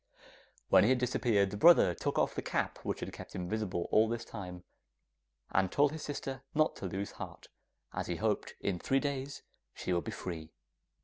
When he had disappeared, the brother took off the cap which had kept him invisible all this time, and told his sister not to lose heart as he hoped in three days she would be free.